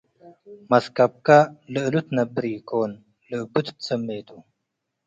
መስከብከ ለእሉ ትነብር ኢኮን፡ ለእቡ ትትስሜ ቱ።